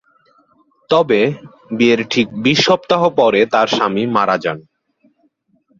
তবে বিয়ের ঠিক বিশ সপ্তাহ পরে তার স্বামী মারা যান।